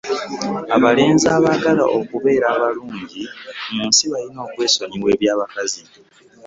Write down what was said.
Abalenzi abaagala okubeera obulungi mu nsi bayina okwesonyiwa eby'abakazi.